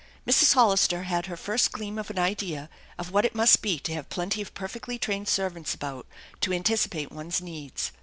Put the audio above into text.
Mrs. Hollister had her first gleam of an idea of what it must be to have plenty of perfectly trained servants about to anticipate one's needs.